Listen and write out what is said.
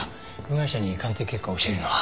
部外者に鑑定結果を教えるのは。